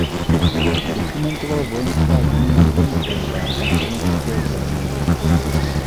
Dokumentoval vojenská dění na různých frontách a nakonec také v Berlíně.